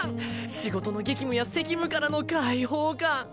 仕事の激務や責務からの解放感。